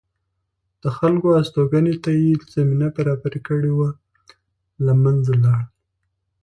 د خلکو هستوګنې ته یې زمینه برابره کړې وه له منځه لاړل